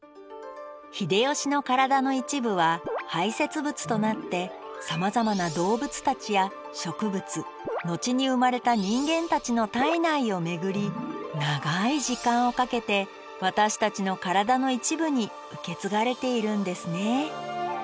秀吉の体の一部は排せつ物となってさまざまな動物たちや植物後に生まれた人間たちの体内を巡り長い時間をかけて私たちの体の一部に受け継がれているんですね。